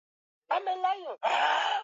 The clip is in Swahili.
Kijana yule ni stadi wa nyimbo.